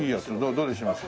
どれにします？